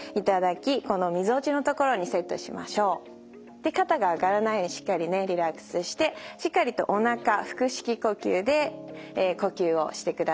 で肩が上がらないようにしっかりねリラックスしてしっかりとおなか腹式呼吸で呼吸をしてください。